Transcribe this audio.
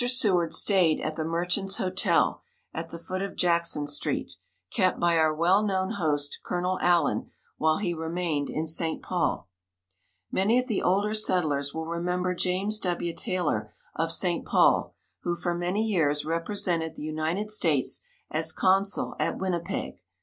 Seward stayed at the Merchant's Hotel, at the foot of Jackson street, kept by our well known host, Colonel Allen, while he remained in St. Paul. Many of the older settlers will remember James W. Taylor of St. Paul, who, for many years, represented the United States as consul at Winnipeg.